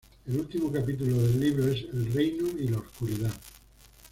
El último capítulo del libro es "El Reino y la Oscuridad".